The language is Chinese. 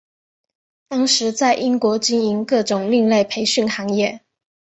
当时在英国经营各种另类培训行业。